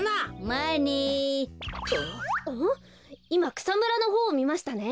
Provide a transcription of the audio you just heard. いまくさむらのほうをみましたね。